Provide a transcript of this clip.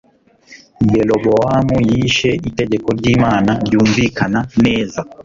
Yerobowamu yishe itegeko ryImana ryumvikana neza